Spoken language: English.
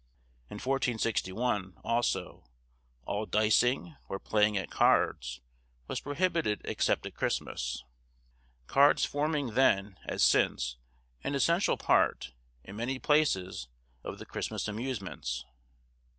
In 1461, also, all diceing, or playing at cards, was prohibited except at Christmas. Cards forming then, as since, an essential part, in many places, of the Christmas amusements.